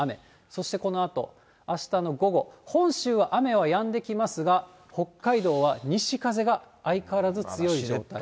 そしてこのあとあしたの午後、本州は雨はやんできますが、北海道は西風が相変わらず強い状態。